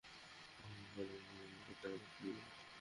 ওখানে বেকুবের মতো দাঁড়িয়ে থাকবি না।